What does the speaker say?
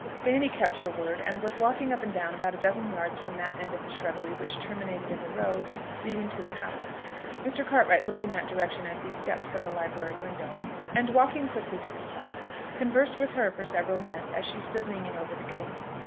Fanny kept her word, and was walking up and down about a dozen yards from that end of the shrubbery which terminated in the road leading to the house. Mr. Cartwright looked in that direction as he stepped from the library window, and walking quickly to the spot, conversed with her for several minutes as she stood leaning over the gate.